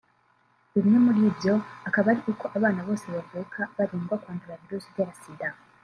Bimwe muri ibyo akaba ari uko abana bose bavuka barindwa kwandura virusi itera sida